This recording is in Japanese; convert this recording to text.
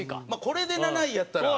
これで７位やったら。